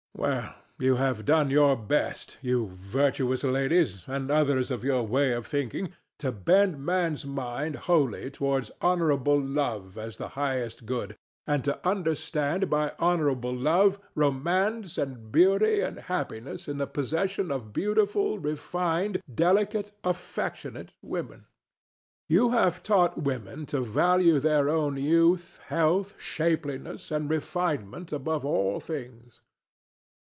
Well, you have done your best, you virtuous ladies, and others of your way of thinking, to bend Man's mind wholly towards honorable love as the highest good, and to understand by honorable love romance and beauty and happiness in the possession of beautiful, refined, delicate, affectionate women. You have taught women to value their own youth, health, shapeliness, and refinement above all things.